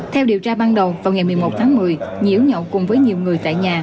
theo điều tra ban đầu vào ngày một mươi một tháng một mươi nhiễu nhậu cùng với nhiều người tại nhà